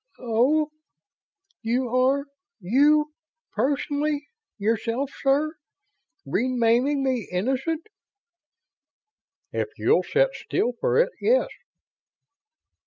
"Oh? You are you, personally, yourself, sir? renaming me 'Innocent'?" "If you'll sit still for it, yes."